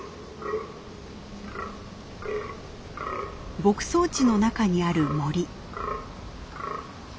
牧草地の中にある森。